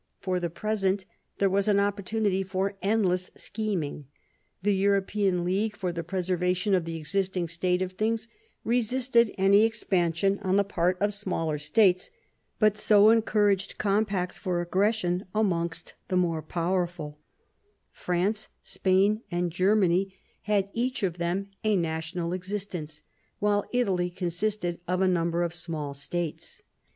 For the present there was an opportunity for endless scheming. The European League for the preservation of the existing state of things resisted any expansion on the part of smaller states, but encouraged compacts for aggression amongst the more powerful France, Spain, and Ger many had each of them a national existence, while Italy consisted of a number of small states.